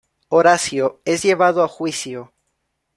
Horacio es llevado a juicio.